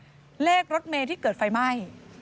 เพราะเลขรถเมที่เกิดไฟไหม้